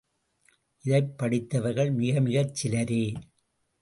இதைப் படித்தவர்கள் மிகமிகச்சிலரே!